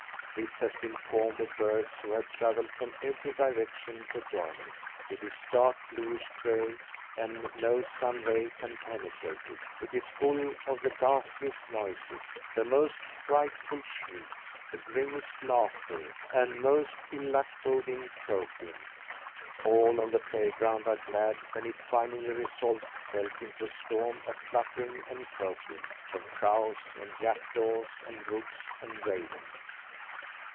This has been formed of birds who have travelled from every direction to join it. It is dark bluish gray, and no sun ray can penetrate it. It is full of the ghastliest noises, the most frightful shrieks, the grimmest laughter, and most ill luck boding croaking! All on the playground are glad when it finally resolves itself into a storm of fluttering and croaking: of crows and jackdaws and rooks and ravens.